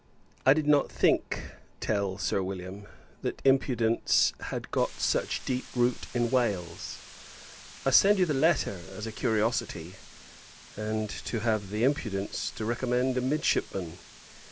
I did not think, tell Sir William, that impudence had got such deep root in Wales. I send you the letter, as a curiosity; and to have the impudence to recommend a midshipman!